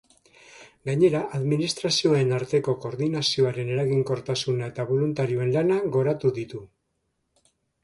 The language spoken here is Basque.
Gainera, administrazioen arteko koordinazioaren eraginkortasuna eta boluntarioen lana goratu ditu.